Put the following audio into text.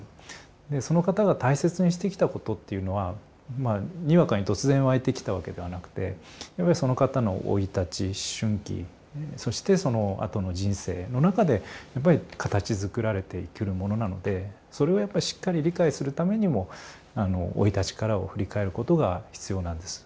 でその方が大切にしてきたことっていうのはにわかに突然湧いてきたわけではなくてやっぱりその方の生い立ち思春期そしてそのあとの人生の中でやっぱり形づくられてくるものなのでそれをやっぱりしっかり理解するためにも生い立ちからを振り返ることが必要なんです。